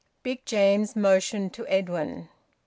Big James motioned to Edwin.